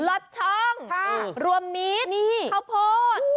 ลดช่องรวมมีดข้าวโพด